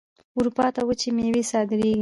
اروپا ته وچې میوې صادریږي.